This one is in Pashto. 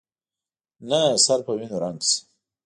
نه سر په وینو رنګ شي.